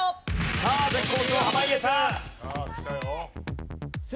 さあ絶好調濱家さん。